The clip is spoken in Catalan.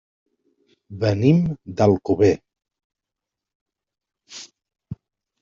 Venim d'Alcover.